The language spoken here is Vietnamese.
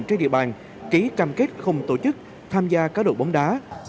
trên địa bàn ký cam kết không tổ chức tham gia cá độ bóng đá